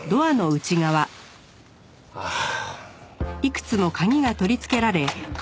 ああ。